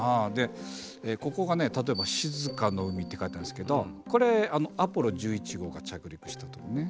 ここが例えば「静かの海」って書いてあるんですけどこれアポロ１１号が着陸したとこね。